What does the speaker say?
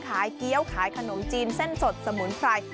เกี้ยวขายขนมจีนเส้นสดสมุนไพร